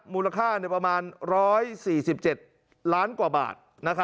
มูลค่าประมาณ๑๔๗ล้านกว่าบาท